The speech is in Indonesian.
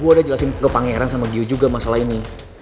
gue udah jelasin ke pangeran sama giu juga masalah ini